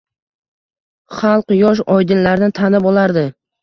Xalq yosh oydinlarni tanib olardi.